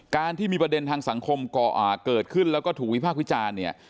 การที่มีประเด็นทางสังคมเกิดขึ้นแล้วก็ถูกวิพากษ์วิจารณ์เนี่ย